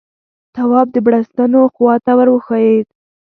تواب د بړستنو خواته ور وښويېد.